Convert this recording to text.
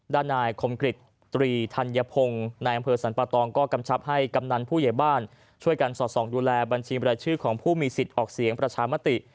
ด้านนายคมกฤษตรีธัญพงศ์นายอำเภอสรรปะตองก็กำชับให้กำนันผู้ใหญ่บ้านช่วยกันสอดส่องดูแลบัญชีบรายชื่อของผู้มีสิทธิ์ออกเสียงประชามติ